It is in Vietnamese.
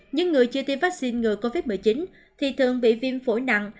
những người chưa tiêm vaccine ngừa covid một mươi chín thì thường bị viêm phổi nặng